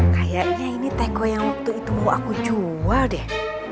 kayaknya ini tengo yang waktu itu mau aku jual deh